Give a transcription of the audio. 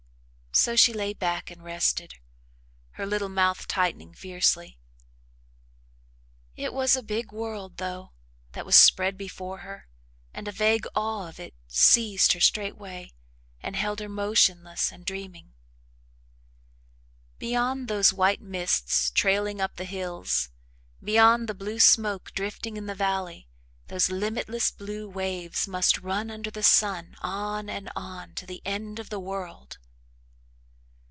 So, she lay back and rested her little mouth tightening fiercely. It was a big world, though, that was spread before her and a vague awe of it seized her straightway and held her motionless and dreaming. Beyond those white mists trailing up the hills, beyond the blue smoke drifting in the valley, those limitless blue waves must run under the sun on and on to the end of the world!